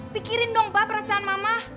pikirin dong pak perasaan mama